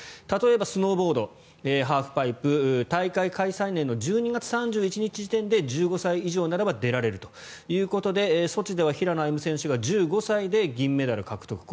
例えばスノーボードハーフパイプ大会開催年の１２月３１日時点で１５歳以上ならば出られるということでソチでは平野歩夢選手が１５歳で銀メダル獲得。